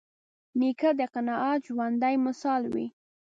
نیکه د قناعت ژوندي مثال وي.